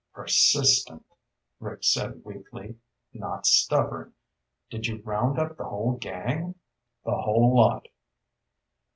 "Persistent," Rick said weakly. "Not stubborn. Did you round up the whole gang?" "The whole lot."